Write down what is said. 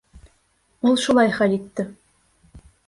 Ул шулай хәл итте.